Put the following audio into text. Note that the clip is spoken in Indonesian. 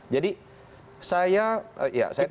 jadi saya ya saya tidak